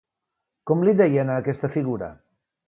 Com li deien a aquesta figura?